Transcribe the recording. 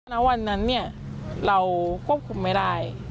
ณวันนั้นเนี่ยเราควบคุมไม่ได้